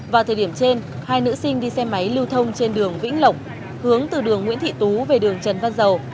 vào thời điểm trên hai nữ sinh đi xe máy lưu thông trên đường vĩnh lộc hướng từ đường nguyễn thị tú về đường trần văn dầu